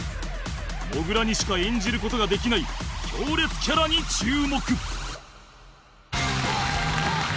もぐらにしか演じる事ができない強烈キャラに注目